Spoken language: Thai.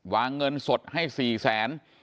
วางเงินสดให้๕สัน